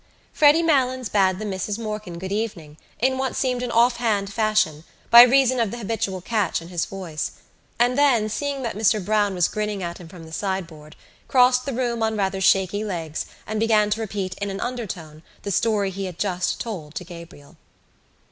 Freddy Malins bade the Misses Morkan good evening in what seemed an offhand fashion by reason of the habitual catch in his voice and then, seeing that Mr Browne was grinning at him from the sideboard, crossed the room on rather shaky legs and began to repeat in an undertone the story he had just told to Gabriel.